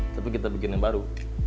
tapi kita bikin yang baru